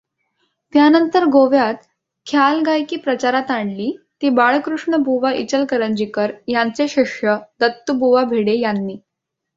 त्यानंतर गोव्यात ख्याल गायकी प्रचारात आणली ती बाळकृष्णबुवा इचलकरंजीकर यांचे शिष्य दत्तुबुवा भिडे यांनी.